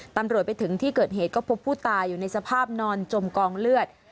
ตำรวจไปถึงที่เกิดเหตุก็พบผู้ตายอยู่ในสภาพนอนจมกองเลือด